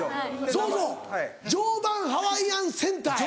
そうそう常磐ハワイアンセンターや！